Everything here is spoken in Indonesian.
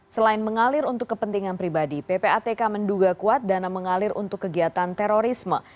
selain mengalir untuk kepentingan pribadi ppatk menduga kuat dana mengalir untuk kegiatan terorisme